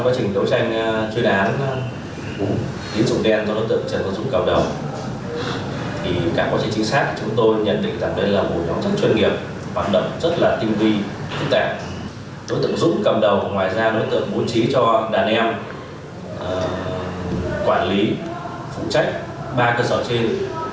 đối tượng giúp cầm đồ ngoài ra đối tượng bố trí cho đàn em quản lý phụ trách ba cơ sở trên